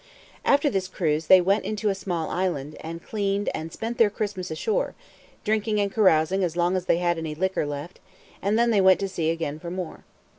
After this cruise they went into a small island, and cleaned, and spent their Christmas ashore, drinking and carousing as long as they had any liquor left, and then went to sea again for more.